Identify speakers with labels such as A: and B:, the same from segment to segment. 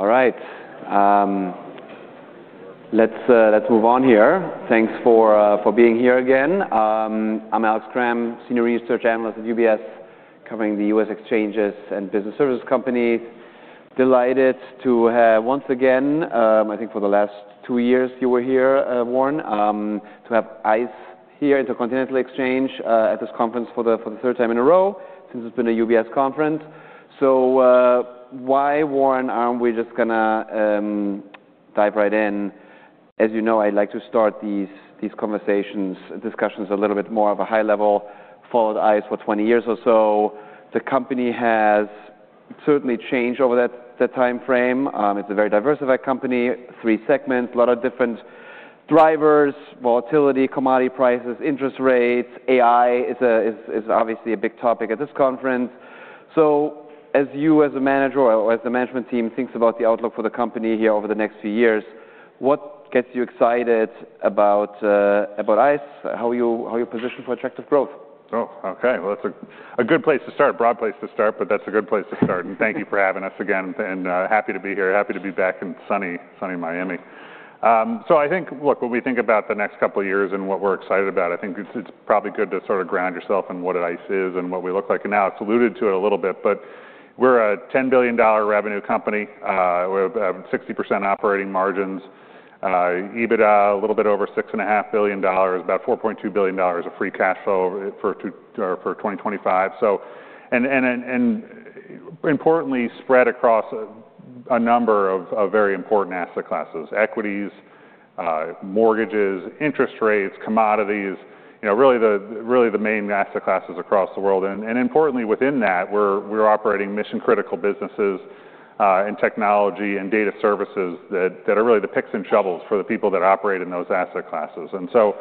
A: All right, let's move on here. Thanks for being here again. I'm Alex Kramm, Senior Research Analyst at UBS, covering the U.S. exchanges and business services company. Delighted to have, once again, I think for the last 2 years you were here, Warren, to have ICE here, Intercontinental Exchange, at this conference for the third time in a row, since it's been a UBS conference. So, why, Warren, aren't we just gonna dive right in? As you know, I like to start these conversations, discussions a little bit more of a high level. Followed ICE for 20 years or so. The company has certainly changed over that timeframe. It's a very diversified company, three segments, a lot of different drivers, volatility, commodity prices, interest rates. AI is obviously a big topic at this conference. So as you, as a manager or as the management team thinks about the outlook for the company here over the next few years, what gets you excited about ICE? How are you positioned for attractive growth?
B: Oh, okay. Well, that's a good place to start. Broad place to start, but that's a good place to start, and thank you for having us again, and happy to be here. Happy to be back in sunny, sunny Miami. So I think, look, when we think about the next couple of years and what we're excited about, I think it's probably good to sort of ground yourself in what ICE is and what we look like now. I've alluded to it a little bit, but we're a $10 billion revenue company. We have 60% operating margins, EBITDA, a little bit over $6.5 billion, about $4.2 billion of free cash flow for 2025. So, importantly, spread across a number of very important asset classes: equities, mortgages, interest rates, commodities, you know, really the main asset classes across the world. And importantly, within that, we're operating mission-critical businesses and technology and data services that are really the picks and shovels for the people that operate in those asset classes. And so,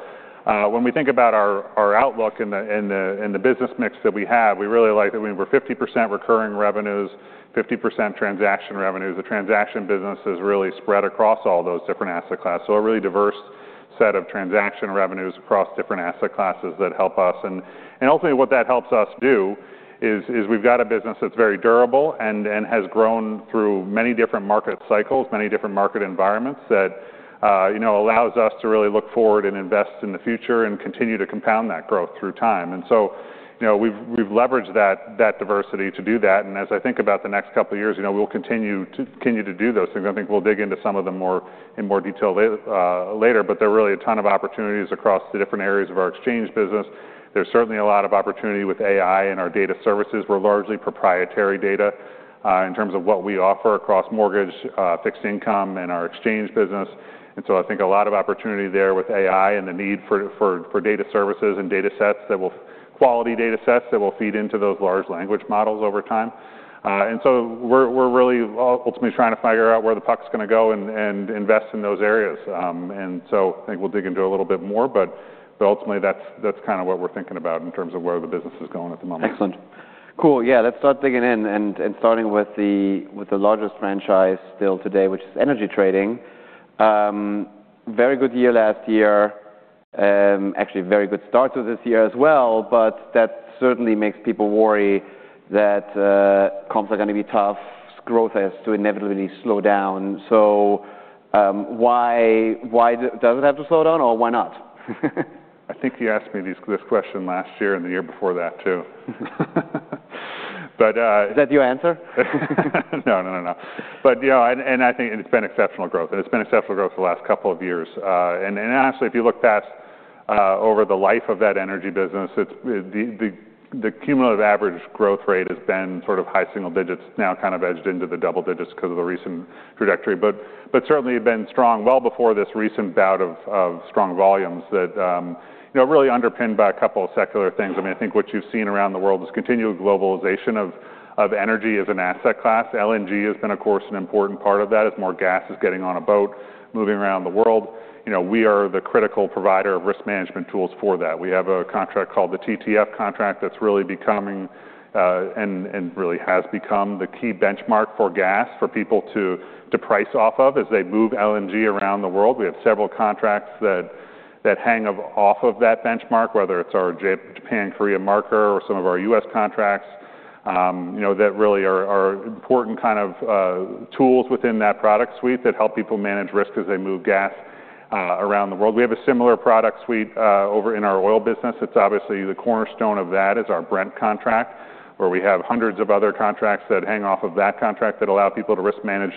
B: when we think about our outlook in the business mix that we have, we really like that we're 50% recurring revenues, 50% transaction revenues. The transaction business is really spread across all those different asset classes, so a really diverse set of transaction revenues across different asset classes that help us. Ultimately, what that helps us do is we've got a business that's very durable and has grown through many different market cycles, many different market environments that you know allows us to really look forward and invest in the future and continue to compound that growth through time. And so, you know, we've leveraged that diversity to do that, and as I think about the next couple of years, you know, we'll continue to do those things. I think we'll dig into some of them more, in more detail later, but there are really a ton of opportunities across the different areas of our exchange business. There's certainly a lot of opportunity with AI, and our data services were largely proprietary data in terms of what we offer across mortgage, fixed income, and our exchange business. And so I think a lot of opportunity there with AI and the need for data services and quality data sets that will feed into those large language models over time. And so we're really ultimately trying to figure out where the puck's gonna go and invest in those areas. And so I think we'll dig into it a little bit more, but ultimately, that's kind of what we're thinking about in terms of where the business is going at the moment.
A: Excellent. Cool. Yeah, let's start digging in, and starting with the largest franchise still today, which is energy trading. Very good year last year, actually a very good start to this year as well, but that certainly makes people worry that comps are gonna be tough, growth has to inevitably slow down. So, why does it have to slow down, or why not?
B: I think you asked me this, this question last year and the year before that, too.
A: But, Is that your answer?
B: No, no, no, no. But, you know, and I think it's been exceptional growth, and it's been exceptional growth for the last couple of years. And honestly, if you look past, over the life of that energy business, it's the cumulative average growth rate has been sort of high single digits, now kind of edged into the double digits because of the recent trajectory. But certainly have been strong well before this recent bout of strong volumes that, you know, really underpinned by a couple of secular things. I mean, I think what you've seen around the world is continued globalization of energy as an asset class. LNG has been, of course, an important part of that, as more gas is getting on a boat, moving around the world. You know, we are the critical provider of risk management tools for that. We have a contract called the TTF contract that's really becoming and really has become the key benchmark for gas for people to price off of as they move LNG around the world. We have several contracts that hang off of that benchmark, whether it's our Japan Korea Marker or some of our U.S. contracts, you know, that really are important kind of tools within that product suite that help people manage risk as they move gas around the world. We have a similar product suite over in our oil business. It's obviously the cornerstone of that is our Brent contract, where we have hundreds of other contracts that hang off of that contract that allow people to risk manage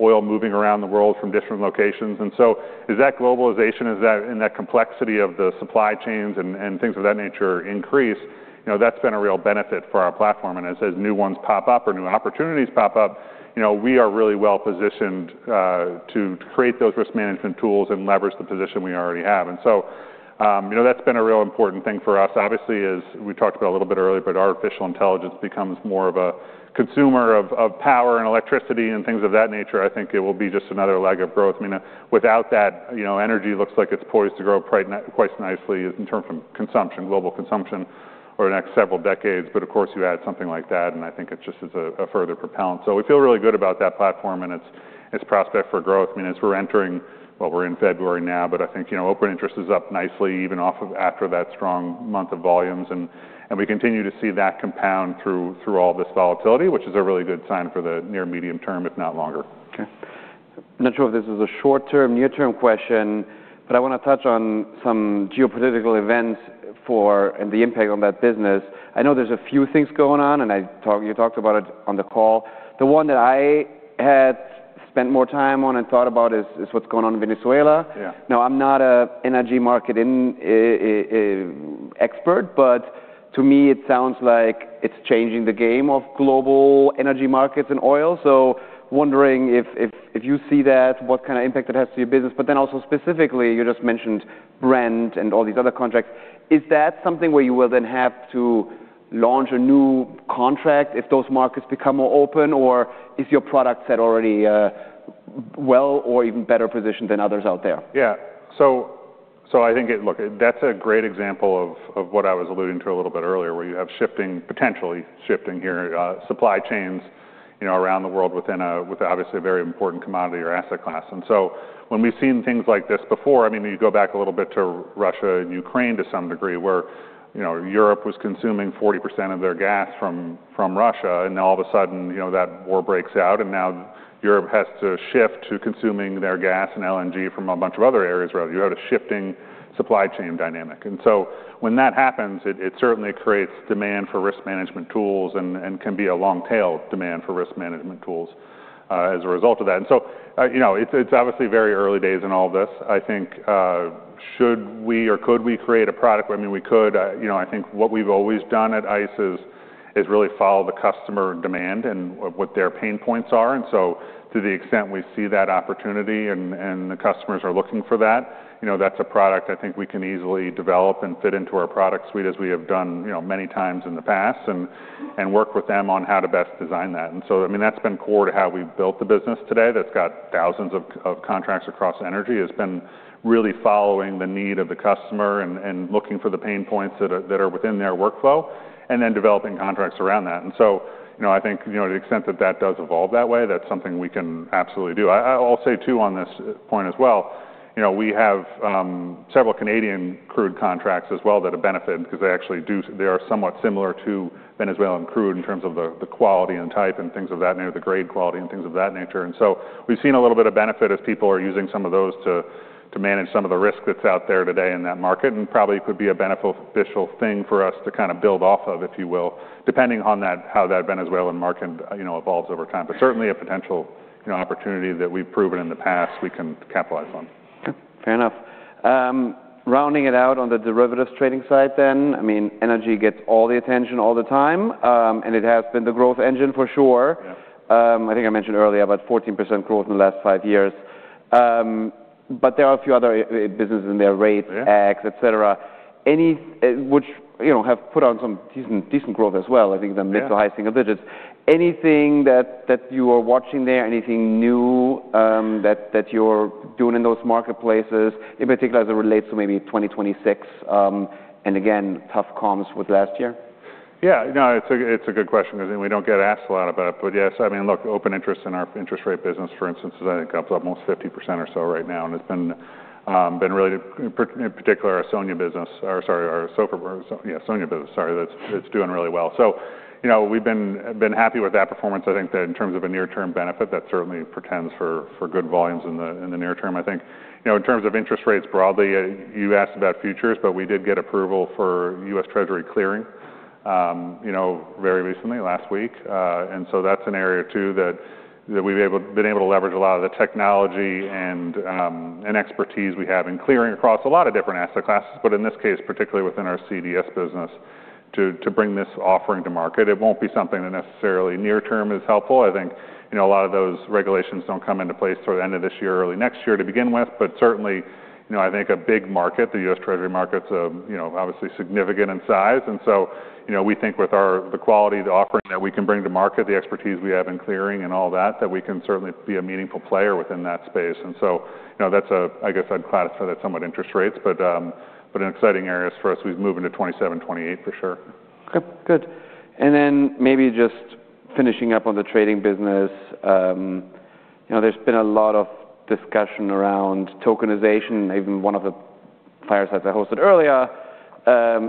B: oil moving around the world from different locations. And so as that globalization, as that, and that complexity of the supply chains and, and things of that nature increase, you know, that's been a real benefit for our platform, and as, as new ones pop up or new opportunities pop up, you know, we are really well-positioned to create those risk management tools and leverage the position we already have. And so, you know, that's been a real important thing for us. Obviously, as we talked about a little bit earlier, but artificial intelligence becomes more of a consumer of, of power and electricity and things of that nature, I think it will be just another leg of growth. I mean, without that, you know, energy looks like it's poised to grow quite nicely in terms of consumption, global consumption over the next several decades. But of course, you add something like that, and I think it just is a further propellant. So we feel really good about that platform and its prospect for growth. I mean, as we're entering. Well, we're in February now, but I think, you know, open interest is up nicely, even off of after that strong month of volumes, and we continue to see that compound through all this volatility, which is a really good sign for the near medium term, if not longer.
A: I'm not sure if this is a short-term, near-term question, but I want to touch on some geopolitical events for and the impact on that business. I know there's a few things going on, and I talk, you talked about it on the call. The one that I had spent more time on and thought about is what's going on in Venezuela.
B: Yeah.
A: Now, I'm not an energy market expert, but to me, it sounds like it's changing the game of global energy markets and oil. So wondering if you see that, what kind of impact it has to your business? But then also specifically, you just mentioned Brent and all these other contracts. Is that something where you will then have to launch a new contract if those markets become more open, or is your product set already, well or even better positioned than others out there?
B: Yeah. So, I think it. Look, that's a great example of what I was alluding to a little bit earlier, where you have shifting—potentially shifting, here, supply chains, you know, around the world within a—with, obviously, a very important commodity or asset class. And so when we've seen things like this before, I mean, you go back a little bit to Russia and Ukraine to some degree, where, you know, Europe was consuming 40% of their gas from Russia, and all of a sudden, you know, that war breaks out, and now Europe has to shift to consuming their gas and LNG from a bunch of other areas, right? You have a shifting supply chain dynamic, and so when that happens, it certainly creates demand for risk management tools and can be a long-tail demand for risk management tools as a result of that. And so, you know, it's obviously very early days in all of this. I think, should we or could we create a product? I mean, we could. You know, I think what we've always done at ICE is really follow the customer demand and what their pain points are, and so to the extent we see that opportunity and the customers are looking for that, you know, that's a product I think we can easily develop and fit into our product suite, as we have done, you know, many times in the past, and work with them on how to best design that. And so, I mean, that's been core to how we've built the business today. That's got thousands of contracts across energy. It's been really following the need of the customer and looking for the pain points that are within their workflow and then developing contracts around that. And so, you know, I think, you know, to the extent that that does evolve that way, that's something we can absolutely do. I'll say, too, on this point as well, you know, we have several Canadian crude contracts as well that have benefited because they actually do. They are somewhat similar to Venezuelan crude in terms of the quality and type and things of that nature, the grade quality and things of that nature. And so we've seen a little bit of benefit as people are using some of those to manage some of the risk that's out there today in that market, and probably could be a beneficial thing for us to kind of build off of, if you will, depending on that, how that Venezuelan market, you know, evolves over time. But certainly a potential, you know, opportunity that we've proven in the past we can capitalize on.
A: Fair enough. Rounding it out on the derivatives trading side then, I mean, energy gets all the attention all the time, and it has been the growth engine for sure.
B: Yeah.
A: I think I mentioned earlier, about 14% growth in the last five years. But there are a few other businesses in there, rate-
B: Yeah
A: -Ags, et cetera. Anyway, which, you know, have put on some decent, decent growth as well. I think the mid- to high-single digits.
B: Yeah.
A: Anything that you are watching there, anything new that you're doing in those marketplaces, in particular, as it relates to maybe 2026, and again, tough comps with last year?
B: Yeah, no, it's a good question, because we don't get asked a lot about it. But yes, I mean, look, open interest in our interest rate business, for instance, is I think up almost 50% or so right now, and it's been really in particular, our SONIA business or, sorry, our SOFR, yeah, SONIA business, sorry, that's—it's doing really well. So you know, we've been happy with that performance. I think that in terms of a near-term benefit, that certainly portends for good volumes in the near term. I think, you know, in terms of interest rates broadly, you asked about futures, but we did get approval for U.S. Treasury clearing, you know, very recently, last week, and so that's an area, too, that we've been able to leverage a lot of the technology and expertise we have in clearing across a lot of different asset classes, but in this case, particularly within our CDS business, to bring this offering to market. It won't be something that necessarily near term is helpful. I think, you know, a lot of those regulations don't come into place toward the end of this year or early next year to begin with. But certainly, you know, I think a big market, the U.S. Treasury market, is, you know, obviously significant in size. And so, you know, we think with the quality, the offering that we can bring to market, the expertise we have in clearing and all that, that we can certainly be a meaningful player within that space. And so, you know, that's a, I guess I'd classify that somewhat interest rates, but, but an exciting areas for us as we move into 2027, 2028, for sure.
A: Okay, good. And then maybe just finishing up on the trading business. You know, there's been a lot of discussion around tokenization. Even one of the firesides I hosted earlier,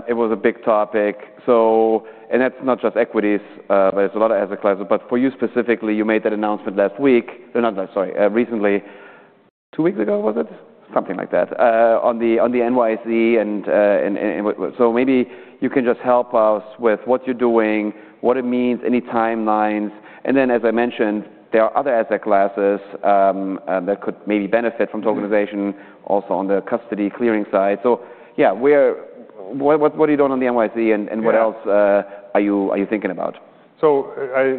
A: it was a big topic. So, that's not just equities, but it's a lot of asset classes. But for you specifically, you made that announcement last week. No, not last, sorry, recently, two weeks ago, was it? Something like that, on the NYSE and so maybe you can just help us with what you're doing, what it means, any timelines. And then, as I mentioned, there are other asset classes that could maybe benefit from tokenization, also on the custody clearing side. So yeah, what are you doing on the NYSE, and-
B: Yeah
A: - and what else, are you, are you thinking about?
B: So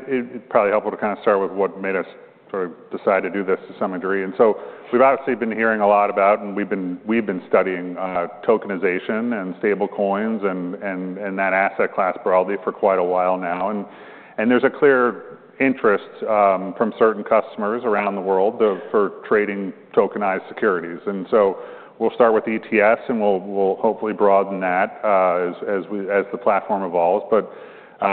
B: it's probably helpful to kind of start with what made us sort of decide to do this to some degree. And so we've obviously been hearing a lot about, and we've been studying tokenization and stablecoins and that asset class broadly for quite a while now. And there's a clear interest from certain customers around the world for trading tokenized securities. And so we'll start with ETFs, and we'll hopefully broaden that as the platform evolves. But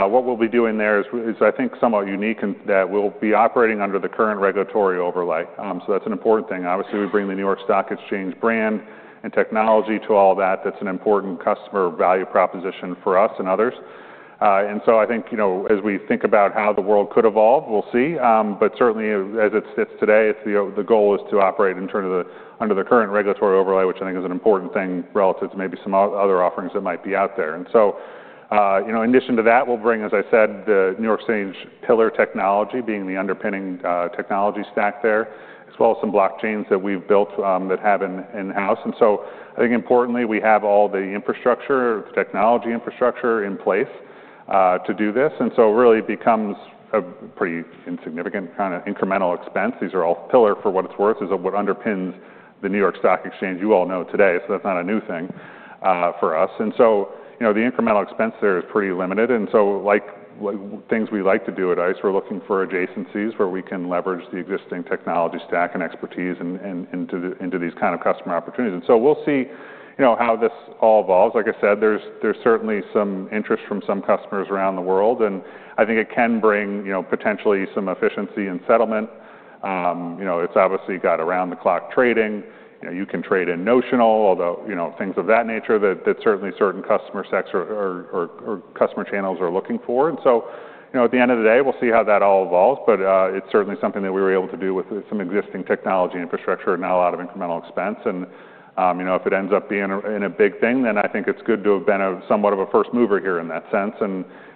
B: what we'll be doing there is, I think, somewhat unique, in that we'll be operating under the current regulatory overlay. So that's an important thing. Obviously, we bring the New York Stock Exchange brand and technology to all that. That's an important customer value proposition for us and others. And so I think, you know, as we think about how the world could evolve, we'll see. But certainly, as it sits today, it's the goal is to operate under the current regulatory overlay, which I think is an important thing relative to maybe some other offerings that might be out there. And so, you know, in addition to that, we'll bring, as I said, the NYSE Pillar technology, being the underpinning technology stack there, as well as some blockchains that we've built that have in-house. And so I think importantly, we have all the infrastructure, technology infrastructure in place to do this. And so it really becomes a pretty insignificant kind of incremental expense. These are all Pillar for what it's worth, is of what underpins the New York Stock Exchange you all know today, so that's not a new thing, for us. And so, you know, the incremental expense there is pretty limited, and so like things we like to do at ICE, we're looking for adjacencies where we can leverage the existing technology stack and expertise into these kind of customer opportunities. And so we'll see, you know, how this all evolves. Like I said, there's certainly some interest from some customers around the world, and I think it can bring, you know, potentially some efficiency in settlement. You know, it's obviously got around-the-clock trading. You know, you can trade in notional, although, you know, things of that nature that certainly certain customer sets or customer channels are looking for. You know, at the end of the day, we'll see how that all evolves, but it's certainly something that we were able to do with some existing technology infrastructure and not a lot of incremental expense. You know, if it ends up being a big thing, then I think it's good to have been somewhat of a first mover here in that sense,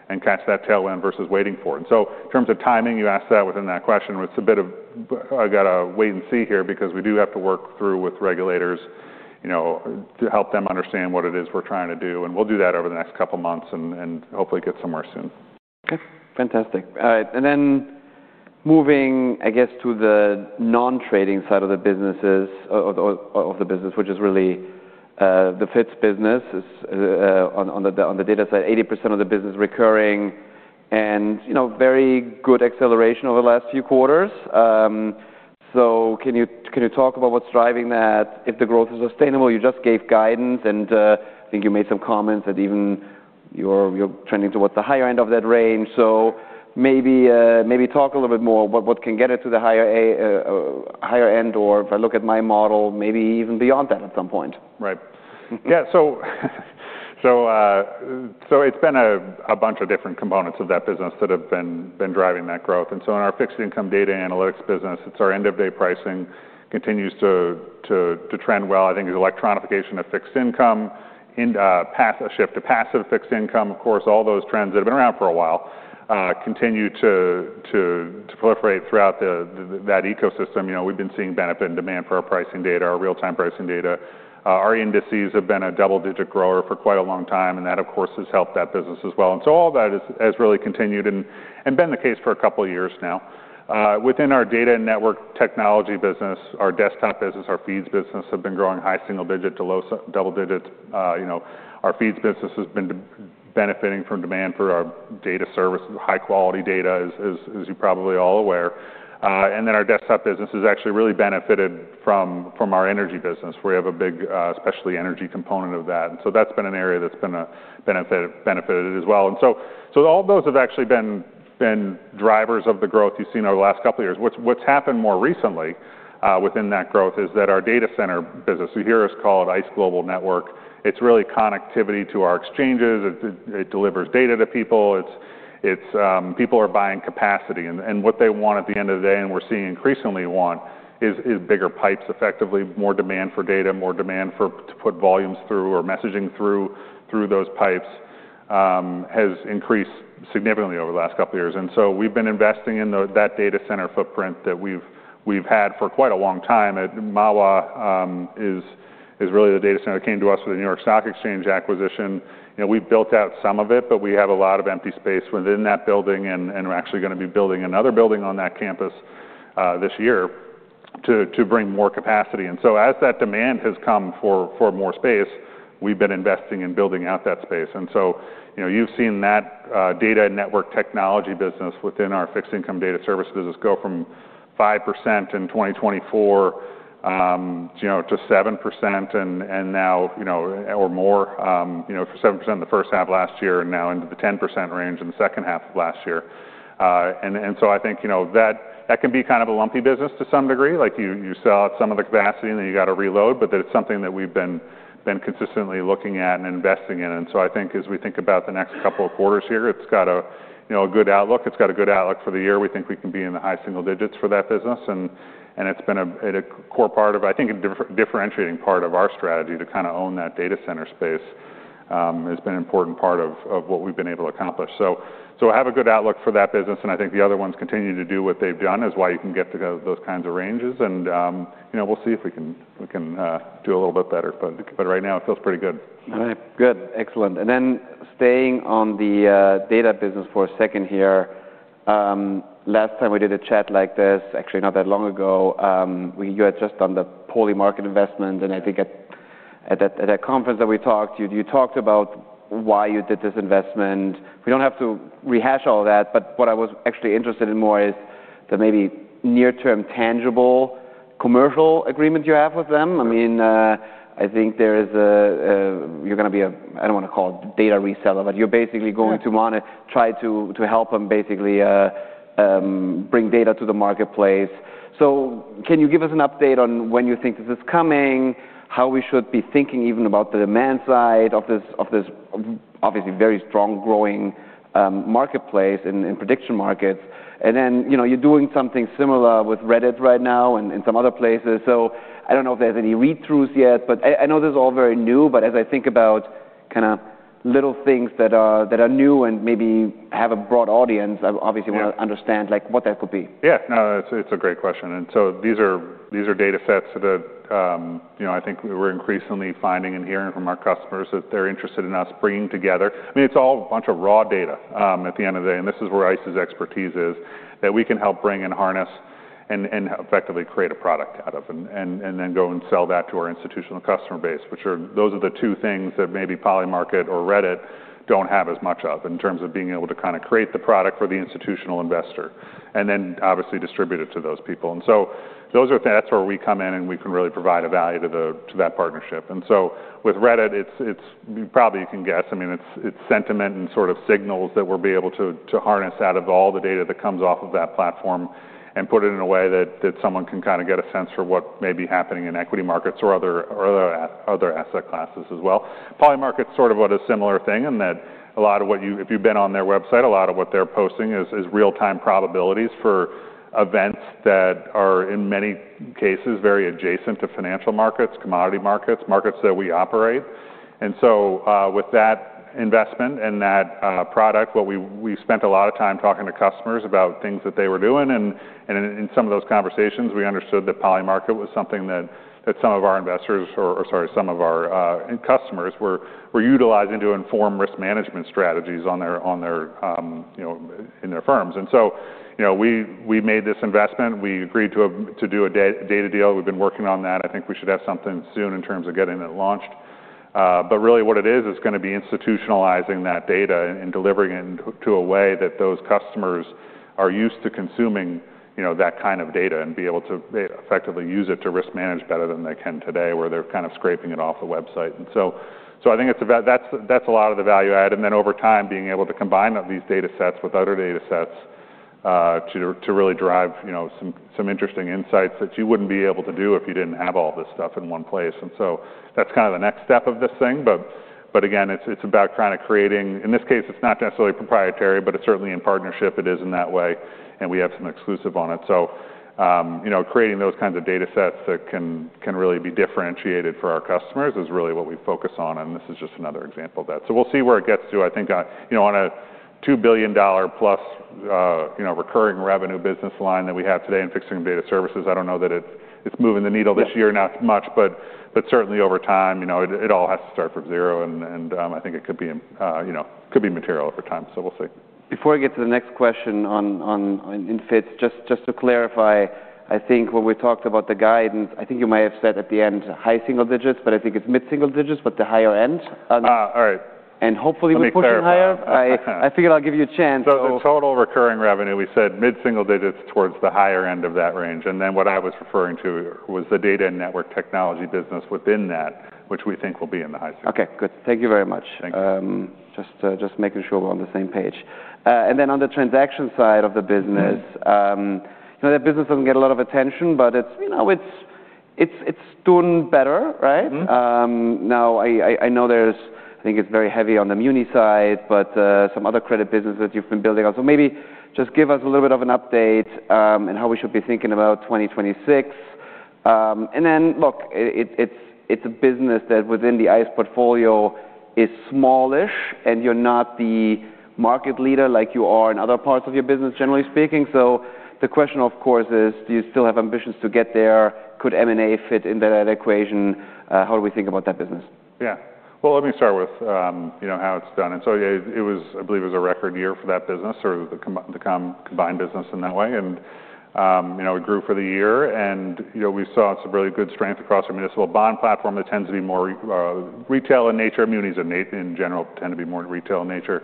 B: and catch that tailwind versus waiting for it. So in terms of timing, you asked that within that question, it's a bit of, I've got to wait and see here because we do have to work through with regulators, you know, to help them understand what it is we're trying to do, and we'll do that over the next couple of months and hopefully get somewhere soon.
A: Okay, fantastic. All right, and then moving, I guess, to the non-trading side of the businesses, of the business, which is really, the FIDS business is, on the, on the data side, 80% of the business recurring and, you know, very good acceleration over the last few quarters. So can you, can you talk about what's driving that, if the growth is sustainable? You just gave guidance, and, I think you made some comments that even you're, you're trending towards the higher end of that range. So maybe, maybe talk a little bit more, what, what can get it to the higher, a, higher end, or if I look at my model, maybe even beyond that at some point.
B: Right. Yeah, so it's been a bunch of different components of that business that have been driving that growth. And so in our Fixed Income Data and Analytics business, it's our end-of-day pricing continues to trend well. I think the electronification of fixed income, passive—a shift to passive fixed income, of course, all those trends that have been around for a while continue to proliferate throughout that ecosystem. You know, we've been seeing benefit and demand for our pricing data, our real-time pricing data. Our indices have been a double-digit grower for quite a long time, and that, of course, has helped that business as well. And so all that has really continued and been the case for a couple of years now. Within our Data and Network Technology business, our desktop business, our feeds business, have been growing high single digit to low double digits. You know, our feeds business has been benefiting from demand for our data services. High quality data, as you're probably all aware. And then our desktop business has actually really benefited from our energy business, where we have a big, especially energy component of that. And so that's been an area that's benefited as well. And so all those have actually been drivers of the growth you've seen over the last couple of years. What's happened more recently within that growth is that our data center business, so here it's called ICE Global Network. It's really connectivity to our exchanges. It delivers data to people. People are buying capacity, and what they want at the end of the day, and we're seeing increasingly want is bigger pipes, effectively, more demand for data, more demand to put volumes through or messaging through those pipes has increased significantly over the last couple of years. And so we've been investing in that data center footprint that we've had for quite a long time. At Mahwah is really the data center that came to us with the New York Stock Exchange acquisition. You know, we've built out some of it, but we have a lot of empty space within that building, and we're actually gonna be building another building on that campus this year to bring more capacity. As that demand has come for, for more space, we've been investing in building out that space. You know, you've seen that Data and Network Technology business within our Fixed Income Data Services business go from 5% in 2024, you know, to 7% and now, you know, or more, you know, 7% in the first half of last year and now into the 10% range in the second half of last year. And so I think, you know, that can be kind of a lumpy business to some degree. Like, you sell out some of the capacity, and then you got to reload, but that's something that we've been consistently looking at and investing in. And so I think as we think about the next couple of quarters here, it's got, you know, a good outlook. It's got a good outlook for the year. We think we can be in the high single digits for that business, and it's been a core part of, I think, a differentiating part of our strategy to kind of own that data center space, has been an important part of what we've been able to accomplish. So I have a good outlook for that business, and I think the other ones continue to do what they've done, is why you can get to go those kinds of ranges. And, you know, we'll see if we can do a little bit better. But right now, it feels pretty good.
A: All right. Good. Excellent. And then staying on the data business for a second here. Last time we did a chat like this, actually not that long ago, you had just done the Polymarket investment, and I think at that conference that we talked, you talked about why you did this investment. We don't have to rehash all that, but what I was actually interested in more is the maybe near-term tangible commercial agreement you have with them. I mean, I think there is a, you're gonna be a. I don't want to call it data reseller, but you're basically going to want to-
B: Yeah
A: try to help them basically bring data to the marketplace. So can you give us an update on when you think this is coming, how we should be thinking even about the demand side of this, of this obviously very strong, growing marketplace and prediction markets? And then, you know, you're doing something similar with Reddit right now and some other places. So I don't know if there's any read-throughs yet, but I know this is all very new. But as I think about kind of little things that are new and maybe have a broad audience, I obviously-
B: Yeah
A: want to understand, like, what that could be.
B: Yeah, no, it's, it's a great question, and so these are, these are data sets that, you know, I think we're increasingly finding and hearing from our customers that they're interested in us bringing together. I mean, it's all a bunch of raw data, at the end of the day, and this is where ICE's expertise is, that we can help bring and harness and, and effectively create a product out of and, and, and then go and sell that to our institutional customer base, which are, those are the two things that maybe Polymarket or Reddit don't have as much of in terms of being able to kind of create the product for the institutional investor and then obviously distribute it to those people. And so those are-- that's where we come in, and we can really provide a value to the- to that partnership. And so with Reddit, it's probably you can guess. I mean, it's sentiment and sort of signals that we'll be able to harness out of all the data that comes off of that platform and put it in a way that someone can kind of get a sense for what may be happening in equity markets or other asset classes as well. Polymarket's sort of on a similar thing in that a lot of what you—if you've been on their website, a lot of what they're posting is real-time probabilities for events that are, in many cases, very adjacent to financial markets, commodity markets, markets that we operate. And so, with that investment and that product, what we spent a lot of time talking to customers about things that they were doing, and in some of those conversations, we understood that Polymarket was something that some of our investors or, sorry, some of our customers were utilizing to inform risk management strategies on their, on their, you know, in their firms. And so, you know, we made this investment. We agreed to do a data deal. We've been working on that. I think we should have something soon in terms of getting it launched. But really what it is, it's gonna be institutionalizing that data and delivering it to a way that those customers are used to consuming, you know, that kind of data and be able to effectively use it to risk manage better than they can today, where they're kind of scraping it off a website. And so I think it's about, that's a lot of the value add, and then over time, being able to combine up these data sets with other data sets, to really derive, you know, some interesting insights that you wouldn't be able to do if you didn't have all this stuff in one place. And so that's kind of the next step of this thing, but again, it's about kind of creating. In this case, it's not necessarily proprietary, but it's certainly in partnership. It is in that way, and we have some exclusive on it. So, you know, creating those kinds of data sets that can really be differentiated for our customers is really what we focus on, and this is just another example of that. So we'll see where it gets to. I think, you know, on a $2 billion-plus recurring revenue business line that we have today in pricing data services, I don't know that it's moving the needle this year, not much.
A: Yeah.
B: But certainly over time, you know, it all has to start from zero, and I think it could be, you know, could be material over time, so we'll see.
A: Before we get to the next question on in FIDS, just to clarify, I think when we talked about the guidance, I think you might have said at the end high single digits, but I think it's mid-single digits, but the higher end.
B: Ah, all right.
A: Hopefully, we'll push it higher.
B: Let me clarify.
A: I figured I'd give you a chance, so.
B: So the total recurring revenue, we said mid-single digits towards the higher end of that range, and then what I was referring to was the Data and Network Technology business within that, which we think will be in the high single.
A: Okay, good. Thank you very much.
B: Thank you.
A: Just making sure we're on the same page. And then on the transaction side of the business-
B: Mm-hmm
A: -you know, that business doesn't get a lot of attention, but it's, you know, it's doing better, right?
B: Mm-hmm.
A: Now, I know there's—I think it's very heavy on the muni side, but some other credit businesses you've been building on. So maybe just give us a little bit of an update, and how we should be thinking about 2026. And then, it's a business that, within the ICE portfolio, is smallish, and you're not the market leader like you are in other parts of your business, generally speaking. So the question, of course, is: Do you still have ambitions to get there? Could M&A fit into that equation? How do we think about that business?
B: Yeah. Well, let me start with, you know, how it's done. And so it was—I believe it was a record year for that business or the combined business in that way. And, you know, it grew for the year, and, you know, we saw some really good strength across our municipal bond platform that tends to be more retail in nature. Munis, in general, tend to be more retail in nature.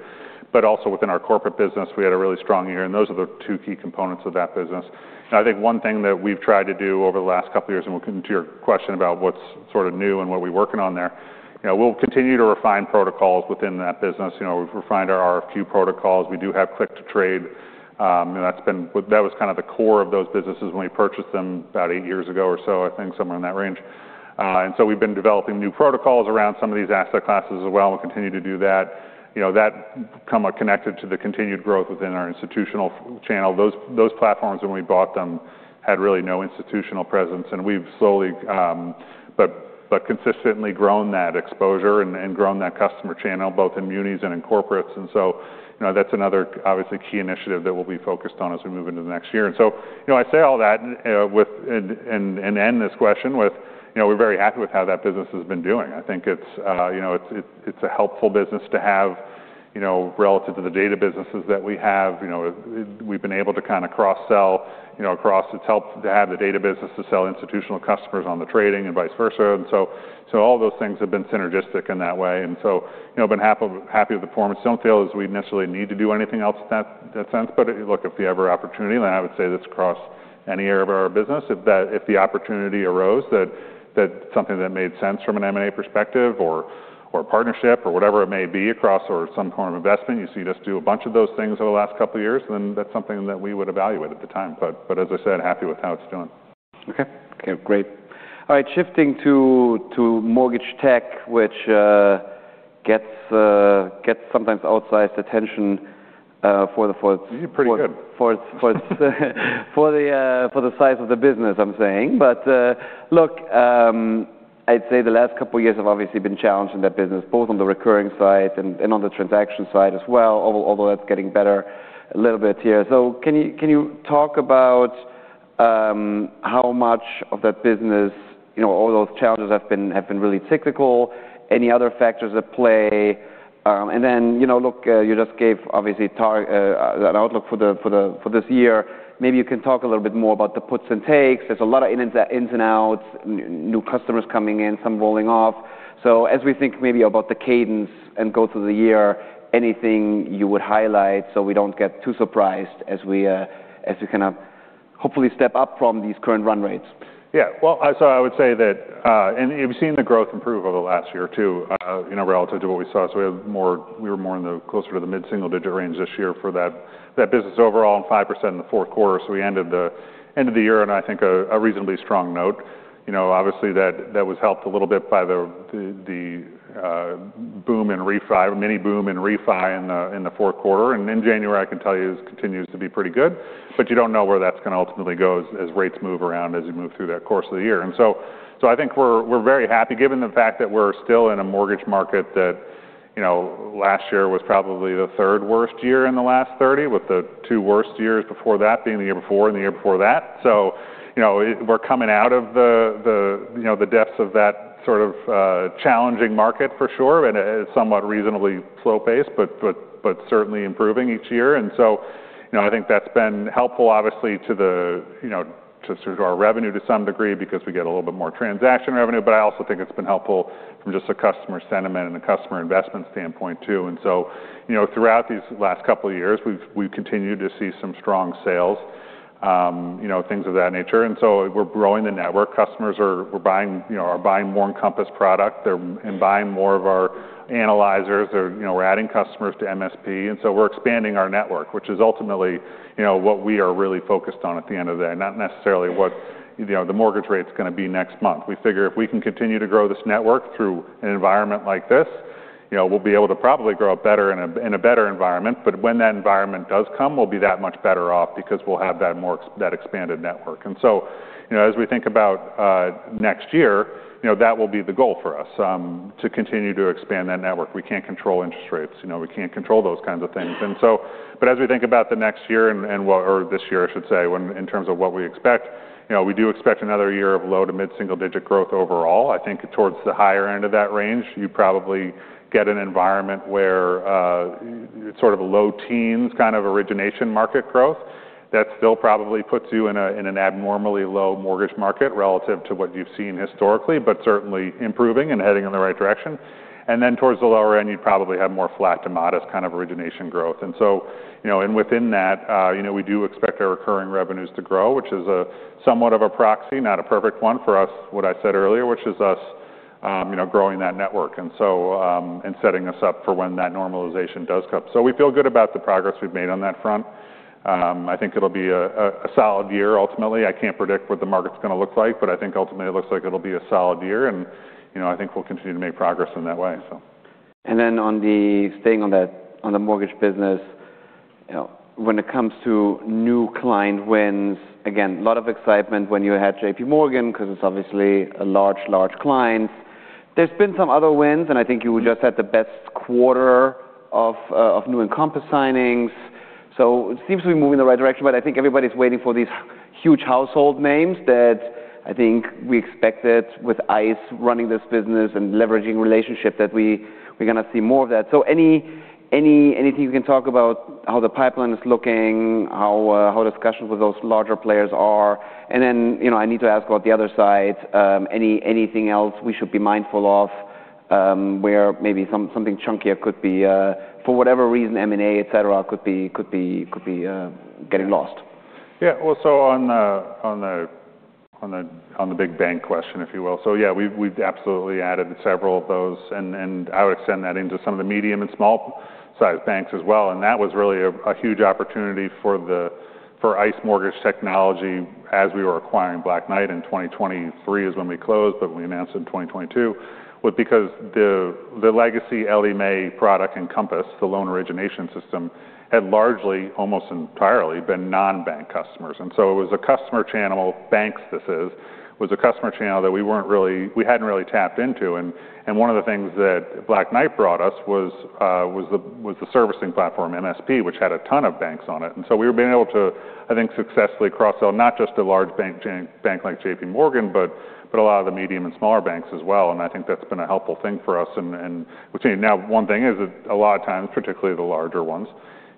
B: But also, within our corporate business, we had a really strong year, and those are the two key components of that business. And I think one thing that we've tried to do over the last couple years, and we'll come to your question about what's sort of new and what we're working on there, you know, we'll continue to refine protocols within that business. You know, we've refined our RFQ protocols. We do have Click to Trade, and that's been. That was kind of the core of those businesses when we purchased them about eight years ago or so, I think, somewhere in that range. And so we've been developing new protocols around some of these asset classes as well, and we'll continue to do that. You know, that come connected to the continued growth within our institutional fixed income channel. Those platforms, when we bought them, had really no institutional presence, and we've slowly but consistently grown that exposure and grown that customer channel, both in munis and in corporates. And so, you know, that's another, obviously, key initiative that we'll be focused on as we move into the next year. And so, you know, I say all that with. To end this question with, you know, we're very happy with how that business has been doing. I think it's, you know, it's, it's a helpful business to have. You know, relative to the data businesses that we have, you know, we've been able to kind of cross-sell, you know, across. It's helped to have the data business to sell institutional customers on the trading and vice versa. So all those things have been synergistic in that way. And so, you know, been happy, happy with the performance. Don't feel as we necessarily need to do anything else in that sense. But look, if we have opportunity, and I would say this across any area of our business, if the opportunity arose, that something that made sense from an M&A perspective or partnership or whatever it may be across or some form of investment, you see us do a bunch of those things over the last couple of years, then that's something that we would evaluate at the time. But as I said, happy with how it's doing.
A: Okay. Okay, great. All right, shifting to mortgage tech, which gets sometimes outsized attention for the for-
B: Pretty good.
A: For the size of the business, I'm saying. But, look, I'd say the last couple of years have obviously been challenged in that business, both on the recurring side and on the transaction side as well, although that's getting better a little bit here. So can you talk about how much of that business, you know, all those challenges have been really cyclical? Any other factors at play? And then, you know, look, you just gave obviously an outlook for this year. Maybe you can talk a little bit more about the puts and takes. There's a lot of ins and outs, new customers coming in, some rolling off. So as we think maybe about the cadence and go through the year, anything you would highlight so we don't get too surprised as we, as you kind of hopefully step up from these current run rates?
B: Yeah. Well, so I would say that. And we've seen the growth improve over the last year, too, you know, relative to what we saw. So we have more- we were more in the closer to the mid-single digit range this year for that, that business overall, and 5% in the fourth quarter. So we ended the end of the year on, I think, a reasonably strong note. You know, obviously, that was helped a little bit by the boom in refi- mini boom in refi in the fourth quarter. And in January, I can tell you, it continues to be pretty good, but you don't know where that's gonna ultimately go as rates move around, as you move through that course of the year. So I think we're very happy, given the fact that we're still in a mortgage market, that, you know, last year was probably the third worst year in the last 30, with the two worst years before that being the year before and the year before that. So, you know, we're coming out of the, you know, the depths of that sort of challenging market for sure, and it's somewhat reasonably slow-paced, but certainly improving each year. And so, you know, I think that's been helpful, obviously, to the, you know, to our revenue to some degree, because we get a little bit more transaction revenue, but I also think it's been helpful from just a customer sentiment and a customer investment standpoint, too. And so, you know, throughout these last couple of years, we've continued to see some strong sales, you know, things of that nature, and so we're growing the network. Customers are buying, you know, more Encompass product, and buying more of our analyzers or, you know, we're adding customers to MSP. And so we're expanding our network, which is ultimately, you know, what we are really focused on at the end of the day, not necessarily what, you know, the mortgage rate is gonna be next month. We figure if we can continue to grow this network through an environment like this, you know, we'll be able to probably grow it better in a better environment. But when that environment does come, we'll be that much better off because we'll have that expanded network. And so, you know, as we think about next year, you know, that will be the goal for us to continue to expand that network. We can't control interest rates, you know, we can't control those kinds of things. And so- but as we think about the next year and or this year, I should say, in terms of what we expect, you know, we do expect another year of low to mid-single digit growth overall. I think towards the higher end of that range, you probably get an environment where sort of a low teens kind of origination market growth. That still probably puts you in an abnormally low mortgage market relative to what you've seen historically, but certainly improving and heading in the right direction. And then towards the lower end, you'd probably have more flat to modest kind of origination growth. And so, you know, and within that, you know, we do expect our recurring revenues to grow, which is a somewhat of a proxy, not a perfect one for us, what I said earlier, which is us, you know, growing that network. And so, and setting us up for when that normalization does come. So we feel good about the progress we've made on that front. I think it'll be a solid year ultimately. I can't predict what the market's gonna look like, but I think ultimately it looks like it'll be a solid year, and, you know, I think we'll continue to make progress in that way, so.
A: And then on the, staying on that, on the mortgage business, you know, when it comes to new client wins, again, a lot of excitement when you had J.P. Morgan, because it's obviously a large, large client. There's been some other wins, and I think you just had the best quarter of of new Encompass signings, so it seems to be moving in the right direction. But I think everybody's waiting for these huge household names that I think we expected with ICE running this business and leveraging relationship, that we're gonna see more of that. So any, any, anything you can talk about how the pipeline is looking, how discussions with those larger players are? And then, you know, I need to ask about the other side. Anything else we should be mindful of, where maybe something chunkier could be, for whatever reason, M&A, et cetera, getting lost?
B: Yeah. Well, so on the big bank question, if you will. So yeah, we've absolutely added several of those, and I would extend that into some of the medium and small-sized banks as well. And that was really a huge opportunity for ICE Mortgage Technology as we were acquiring Black Knight in 2023 is when we closed, but we announced in 2022, was because the legacy Ellie Mae product Encompass, the loan origination system, had largely, almost entirely, been non-bank customers. And so it was a customer channel, banks this is, was a customer channel that we weren't really we hadn't really tapped into. And one of the things that Black Knight brought us was the servicing platform, MSP, which had a ton of banks on it. And so we've been able to, I think, successfully cross-sell not just a large bank like J.P. Morgan, but a lot of the medium and smaller banks as well. And I think that's been a helpful thing for us. And between—Now, one thing is a lot of times, particularly the larger ones,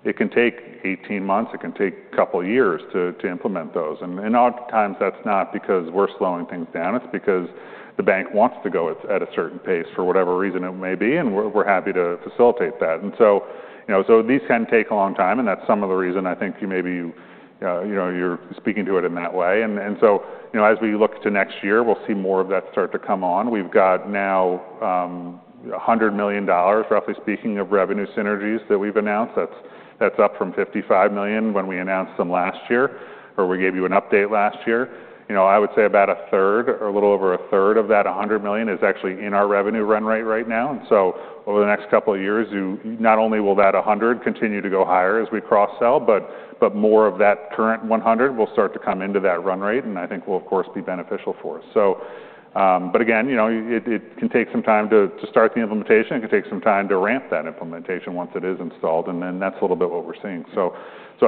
B: it can take 18 months, it can take a couple of years to implement those. And oftentimes that's not because we're slowing things down, it's because the bank wants to go at a certain pace for whatever reason it may be, and we're happy to facilitate that. And so, you know, so these can take a long time, and that's some of the reason I think you maybe, you know, you're speaking to it in that way. So, you know, as we look to next year, we'll see more of that start to come on. We've got now a $100 million, roughly speaking, of revenue synergies that we've announced. That's up from $55 million when we announced them last year, or we gave you an update last year. You know, I would say about a third or a little over a third of that $100 million is actually in our revenue run rate right now. And so over the next couple of years, you not only will that $100 continue to go higher as we cross-sell, but more of that current $100 million will start to come into that run rate, and I think will, of course, be beneficial for us. So, but again, you know, it can take some time to start the implementation. It can take some time to ramp that implementation once it is installed, and then that's a little bit what we're seeing. So,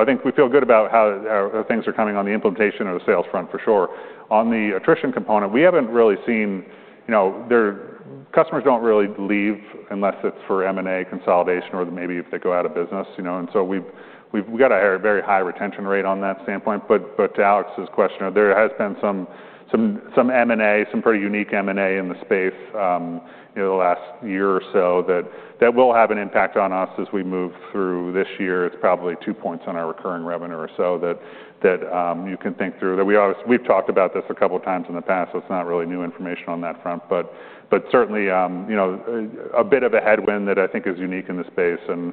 B: I think we feel good about how things are coming on the implementation of the sales front for sure. On the attrition component, we haven't really seen. You know, their customers don't really leave unless it's for M&A consolidation or maybe if they go out of business, you know. And so we've got a very high retention rate on that standpoint. But to Alex's question, there has been some M&A, some pretty unique M&A in the space, in the last year or so that will have an impact on us as we move through this year. It's probably two points on our recurring revenue or so that you can think through. We've talked about this a couple of times in the past, so it's not really new information on that front. But certainly, you know, a bit of a headwind that I think is unique in the space. And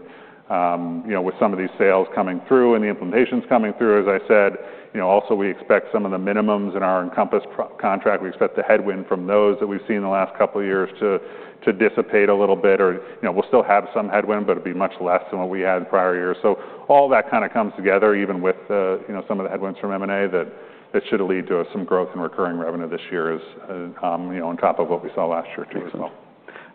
B: you know, with some of these sales coming through and the implementations coming through, as I said, you know, also, we expect some of the minimums in our Encompass product contract. We expect the headwind from those that we've seen in the last couple of years to dissipate a little bit or, you know, we'll still have some headwind, but it'll be much less than what we had in prior years. All that kind of comes together, even with the, you know, some of the headwinds from M&A, that should lead to some growth in recurring revenue this year as, you know, on top of what we saw last year, too, as well.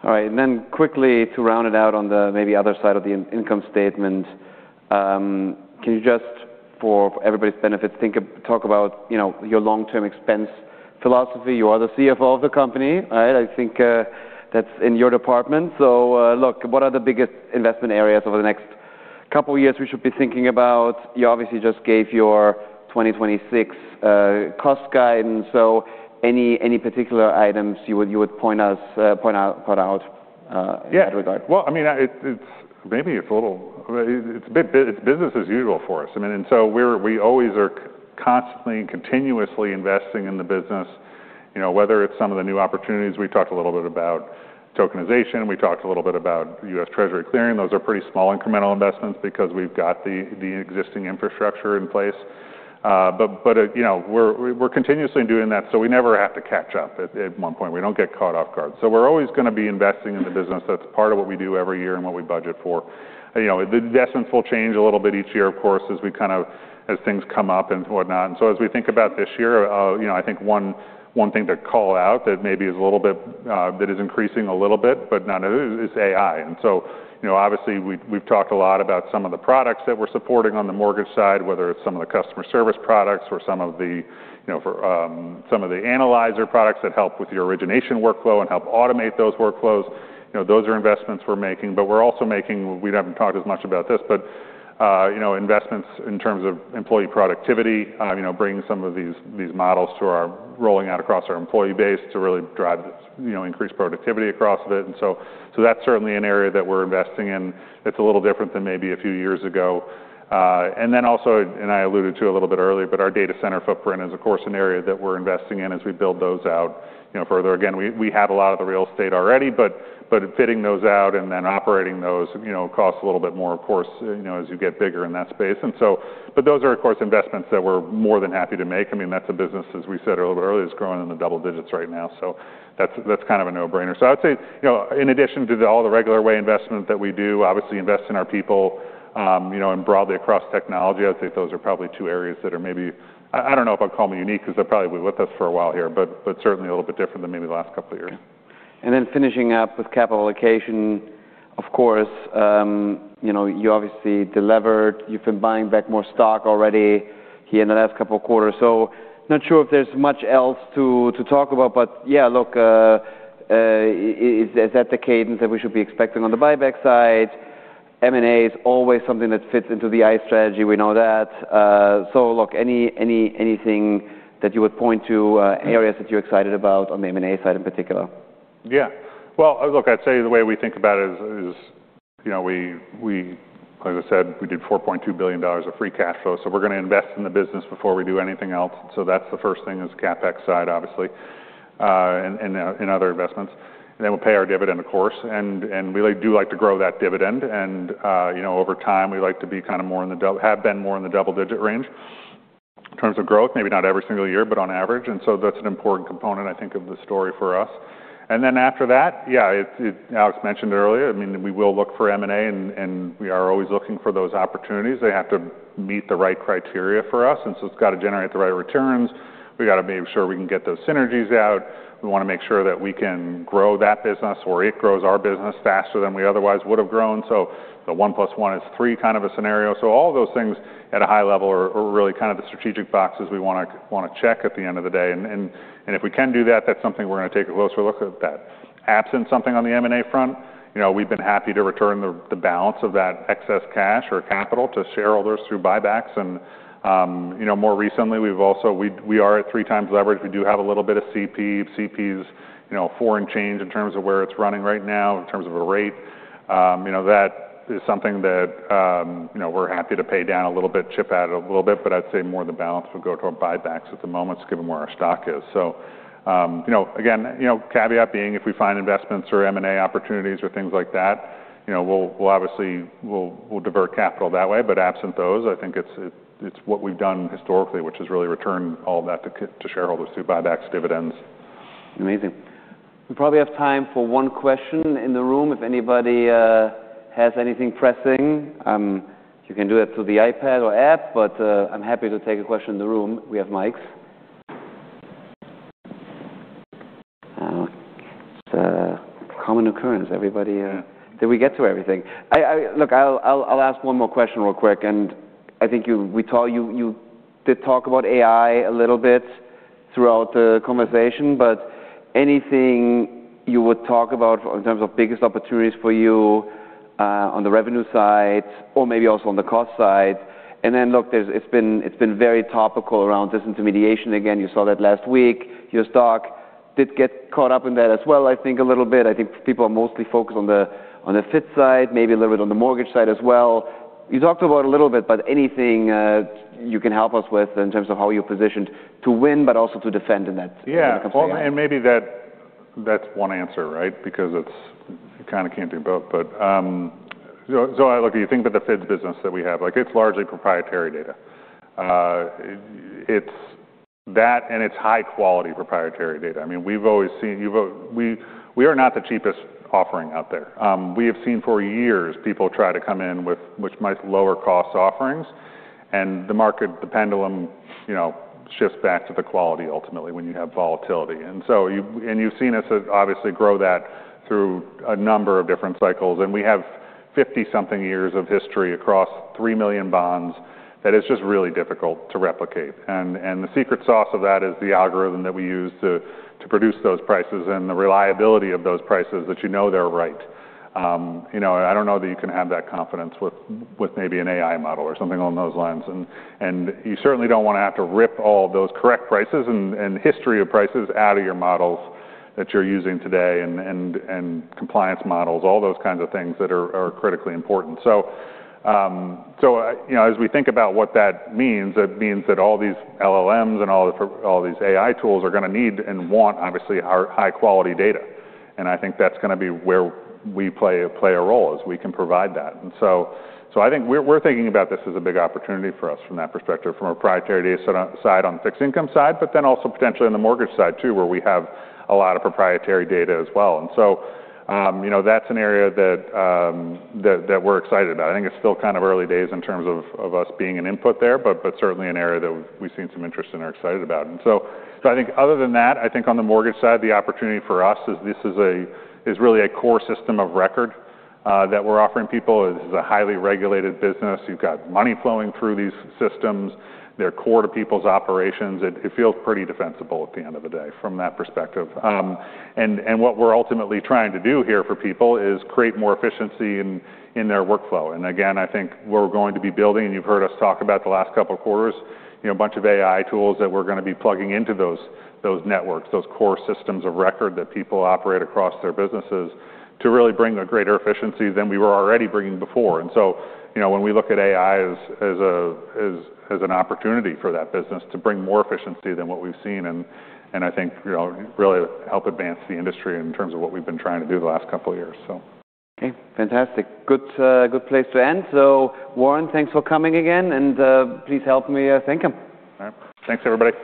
A: All right, and then quickly to round it out on the maybe other side of the income statement, can you just, for everybody's benefit, talk about, you know, your long-term expense philosophy? You are the CFO of the company, right? I think that's in your department. So, look, what are the biggest investment areas over the next couple of years we should be thinking about? You obviously just gave your 2026 cost guidance, so any particular items you would point out in that regard?
B: Yeah. Well, I mean, it's maybe a little bit - it's business as usual for us. I mean, so we're always constantly and continuously investing in the business, you know, whether it's some of the new opportunities. We talked a little bit about tokenization, we talked a little bit about U.S. Treasury clearing. Those are pretty small incremental investments because we've got the existing infrastructure in place. But, you know, we're continuously doing that, so we never have to catch up at one point. We don't get caught off guard. So we're always gonna be investing in the business. That's part of what we do every year and what we budget for. You know, the investments will change a little bit each year, of course, as things come up and whatnot. And so as we think about this year, you know, I think one thing to call out that maybe is a little bit that is increasing a little bit, but not it, is AI. And so, you know, obviously, we've talked a lot about some of the products that we're supporting on the mortgage side, whether it's some of the customer service products or some of the, you know, some of the analyzer products that help with your origination workflow and help automate those workflows. You know, those are investments we're making, but we're also making. We haven't talked as much about this, but, you know, investments in terms of employee productivity, you know, bringing some of these, these models to our- rolling out across our employee base to really drive, you know, increased productivity across it. And so, so that's certainly an area that we're investing in. It's a little different than maybe a few years ago. And then also, and I alluded to a little bit earlier, but our data center footprint is, of course, an area that we're investing in as we build those out, you know, further. Again, we, we have a lot of the real estate already, but, but fitting those out and then operating those, you know, costs a little bit more, of course, you know, as you get bigger in that space. And so, but those are, of course, investments that we're more than happy to make. I mean, that's a business, as we said a little earlier, is growing in the double digits right now. So that's, that's kind of a no-brainer. So I'd say, you know, in addition to all the regular way investments that we do, obviously invest in our people, you know, and broadly across technology, I'd say those are probably two areas that are maybe. I don't know if I'd call them unique because they're probably with us for a while here, but certainly a little bit different than maybe the last couple of years.
A: And then finishing up with capital allocation, of course, you know, you obviously delivered. You've been buying back more stock already here in the last couple of quarters, so not sure if there's much else to talk about, but yeah, look, is that the cadence that we should be expecting on the buyback side? M&A is always something that fits into the ICE strategy, we know that. So look, anything that you would point to, areas that you're excited about on the M&A side in particular?
B: Yeah. Well, look, I'd say the way we think about it is, you know, like I said, we did $4.2 billion of free cash flow, so we're gonna invest in the business before we do anything else. So that's the first thing is CapEx side, obviously, and other investments. And then we'll pay our dividend, of course, and we really do like to grow that dividend. And, you know, over time, we like to be kind of more in the double-digit range in terms of growth, maybe not every single year, but on average. And so that's an important component, I think, of the story for us. And then after that, yeah, Alex mentioned earlier, I mean, we will look for M&A, and we are always looking for those opportunities. They have to meet the right criteria for us, and so it's got to generate the right returns. We got to make sure we can get those synergies out. We want to make sure that we can grow that business or it grows our business faster than we otherwise would have grown. So the one plus one is three kind of a scenario. So all of those things at a high level are really kind of the strategic boxes we wanna check at the end of the day. And if we can do that, that's something we're gonna take a closer look at that. Absent something on the M&A front, you know, we've been happy to return the balance of that excess cash or capital to shareholders through buybacks. And, you know, more recently, we've also, we are at three times leverage. We do have a little bit of CP. CP is, you know, commercial paper in terms of where it's running right now, in terms of a rate. That is something that, you know, we're happy to pay down a little bit, chip at it a little bit, but I'd say more of the balance will go toward buybacks at the moment, given where our stock is. So, you know, again, you know, caveat being, if we find investments or M&A opportunities or things like that, you know, we'll obviously divert capital that way. But absent those, I think it's what we've done historically, which is really return all that to shareholders, through buybacks, dividends.
A: Amazing. We probably have time for one question in the room, if anybody has anything pressing. You can do it through the iPad or app, but I'm happy to take a question in the room. We have mics. It's a common occurrence, everybody. Did we get to everything? Look, I'll ask one more question real quick, and I think we saw you did talk about AI a little bit throughout the conversation, but anything you would talk about in terms of biggest opportunities for you, on the revenue side or maybe also on the cost side? And then, look, it's been very topical around disintermediation again. You saw that last week. Your stock did get caught up in that as well, I think, a little bit. I think people are mostly focused on the, on the FIDS side, maybe a little bit on the mortgage side as well. You talked about a little bit, but anything you can help us with in terms of how you're positioned to win, but also to defend in that-
B: Yeah.
A: when it comes to AI?
B: Well, and maybe that, that's one answer, right? Because it's, you kind of can't do both. But, so, so look, you think about the FIDS business that we have, like, it's largely proprietary data. It's that, and it's high-quality proprietary data. I mean, we've always seen. we are not the cheapest offering out there. We have seen for years people try to come in with much lower-cost offerings, and the market, the pendulum, you know, shifts back to the quality ultimately when you have volatility. And so you, and you've seen us, obviously grow that through a number of different cycles, and we have 50-something years of history across 3 million bonds, that it's just really difficult to replicate. And the secret sauce of that is the algorithm that we use to produce those prices and the reliability of those prices that you know they're right. You know, I don't know that you can have that confidence with maybe an AI model or something along those lines. And you certainly don't wanna have to rip all of those correct prices and history of prices out of your models that you're using today, and compliance models, all those kinds of things that are critically important. So, you know, as we think about what that means, it means that all these LLMs and all these AI tools are gonna need and want, obviously, our high-quality data. And I think that's gonna be where we play a role, is we can provide that. And so I think we're thinking about this as a big opportunity for us from that perspective, from a proprietary data set outside, on the fixed income side, but then also potentially on the mortgage side, too, where we have a lot of proprietary data as well. And so you know, that's an area that we're excited about. I think it's still kind of early days in terms of us being an input there, but certainly an area that we've seen some interest in and are excited about. And so I think other than that, I think on the mortgage side, the opportunity for us is this is really a core system of record that we're offering people. This is a highly regulated business. You've got money flowing through these systems. They're core to people's operations. It feels pretty defensible at the end of the day from that perspective. And what we're ultimately trying to do here for people is create more efficiency in their workflow. And again, I think we're going to be building, and you've heard us talk about the last couple of quarters, you know, a bunch of AI tools that we're gonna be plugging into those networks, those core systems of record that people operate across their businesses, to really bring a greater efficiency than we were already bringing before. And so, you know, when we look at AI as an opportunity for that business to bring more efficiency than what we've seen, and I think, you know, really help advance the industry in terms of what we've been trying to do the last couple of years, so.
A: Okay, fantastic. Good, good place to end. So, Warren, thanks for coming again, and, please help me, thank him.
B: All right. Thanks, everybody.